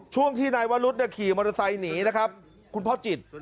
ช่วงที่นายวรุษขี่มอเตอร์ไซค์หนีนะครับคุณพ่อจิต